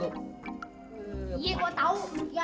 iya gue tau